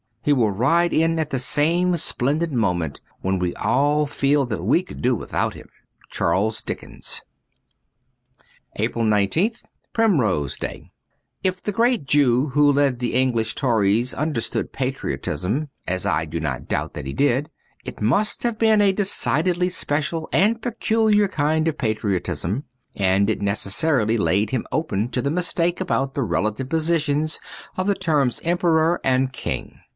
He will ride in at some splendid moment when we all feel that we could do without him. ' Charles Dickens.'' Ii8 APRIL 1 9th PRIMROSE DAY IF the great Jew who led the English Tories understood patriotism (as I do not doubt that he did) it must have been a decidedly special and peculiar kind of patriotism, and it necessarily laid him open to the mistake about the relative positions of the terms Emperor and King.